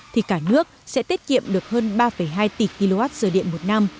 thì cả nước sẽ tiết kiệm được hơn ba hai tỷ kwh điện một năm